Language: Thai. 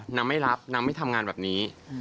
นางไม่รับนางไม่ทำงานแบบนี้